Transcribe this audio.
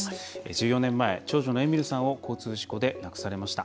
１４年前、長女のえみるさんを交通事故で亡くされました。